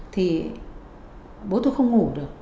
thì bố tôi không ngủ được